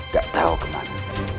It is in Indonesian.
gak tau kemana